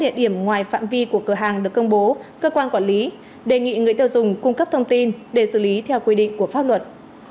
địa điểm ngoài phạm vi của cửa hàng được công bố cơ quan quản lý đề nghị người tiêu dùng cung cấp thông tin để xử lý theo quy định của pháp luật